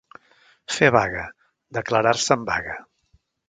Fer vaga, declarar-se en vaga.